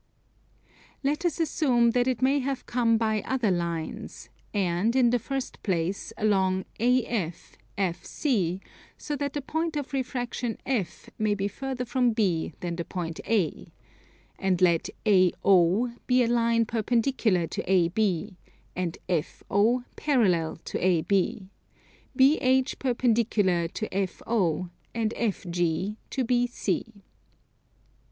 Let us assume that it may have come by other lines, and, in the first place, along AF, FC, so that the point of refraction F may be further from B than the point A; and let AO be a line perpendicular to AB, and FO parallel to AB; BH perpendicular to FO, and FG to BC.